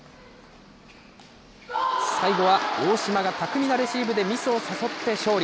最後は大島が巧みなレシーブでミスを誘って勝利。